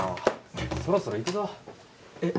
そろそろ行くぞえっ